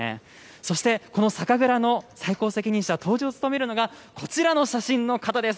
そして、この酒蔵の最高責任者、杜氏を務めるのが、こちらの写真の方です。